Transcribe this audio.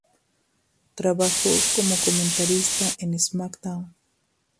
Trabajó como comentarista en SmackDown!